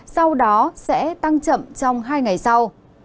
sau đó sẽ tăng chậm trong hai ngày sau